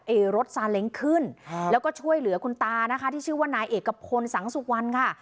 เลยรถสานเล็งขึ้นฮะแล้วก็ช่วยเหลือคุณตานะคะที่ชื่อว่านายเอกกับคนสังสุวันค่ะ